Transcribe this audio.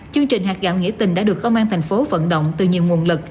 chương trình hạt gạo nghĩa tình đã được công an tp hcm vận động từ nhiều nguồn lực